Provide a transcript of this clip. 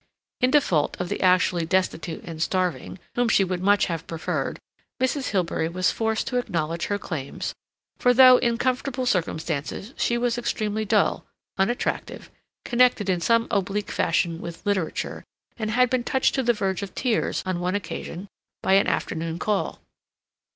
In default of the actually destitute and starving, whom she would much have preferred, Mrs. Hilbery was forced to acknowledge her claims, for though in comfortable circumstances, she was extremely dull, unattractive, connected in some oblique fashion with literature, and had been touched to the verge of tears, on one occasion, by an afternoon call.